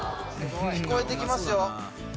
聞こえて来ますよ。